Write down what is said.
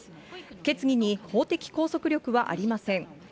決議に法的拘束力はありません。